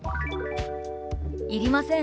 「いりません。